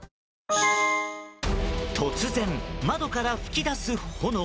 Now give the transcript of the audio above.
突然、窓から噴き出す炎。